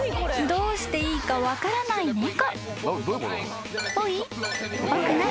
どうしていいか分かんないね。